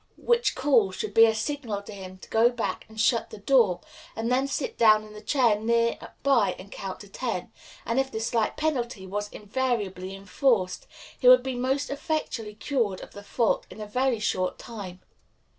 which call should be a signal to him to go back and shut the door, and then sit down in a chair near by and count ten; and if this slight penalty was invariably enforced, he would be most effectually cured of the fault in a very short time.